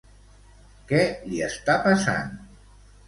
Què li està passant?